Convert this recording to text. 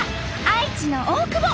愛知の大久保。